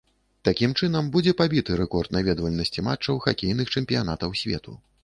Такім чынам будзе пабіты рэкорд наведвальнасці матчаў хакейных чэмпіянатаў свету.